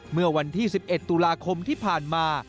เมื่อวันที่๑๑ตุลาคมที่ผ่านมา